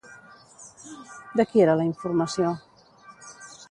De qui era la informació?